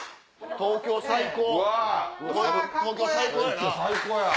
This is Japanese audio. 東京最高やな！